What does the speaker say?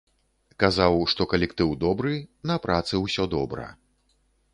Казаў, што калектыў добры, на працы усё добра.